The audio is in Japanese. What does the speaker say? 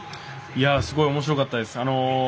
すごいおもしろかったです。